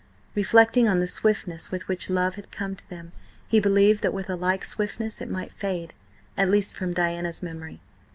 Reflecting on the swiftness with which love had come to them, he believed that with a like swiftness it might fade, at least from Diana's memory.